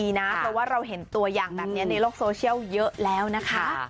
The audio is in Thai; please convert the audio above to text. เพราะว่าเราเห็นตัวอย่างแบบนี้ในโลกโซเชียลเยอะแล้วนะคะ